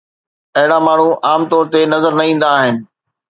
اهڙا ماڻهو عام طور تي نظر نه ايندا آهن